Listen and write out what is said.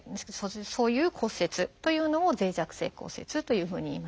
そういう骨折というのを脆弱性骨折というふうにいいます。